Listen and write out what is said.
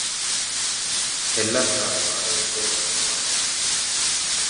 செல்லாத்தா ஆதங்கத்தோடு சொன்னாள்.